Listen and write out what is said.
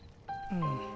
うん。